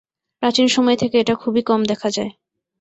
প্রাচীন সময় থেকে এটা খুবই কম দেখা যায়।